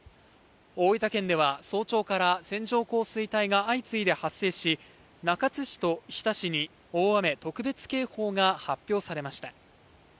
大分県では、早朝から線状降水帯が相次いで発生し、中津市と日田市に大雨特別警報が発表されました。